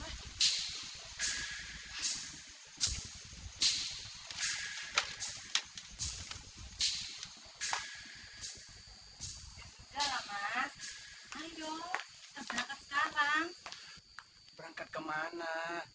berangkat ke mana